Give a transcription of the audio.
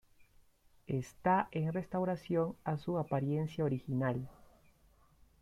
Está en restauración a su apariencia original.